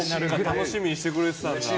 楽しみにしてくれてるんだ。